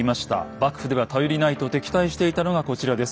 幕府では頼りないと敵対していたのがこちらです。